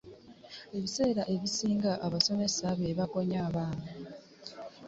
Ebiseera ebisinga abasomesa bebakonya abaana